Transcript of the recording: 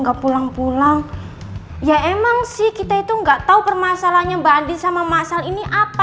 nggak pulang pulang ya emang sih kita itu enggak tahu permasalahannya mbak andi sama masal ini apa